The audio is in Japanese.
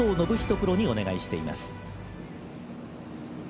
プロにお願いしています。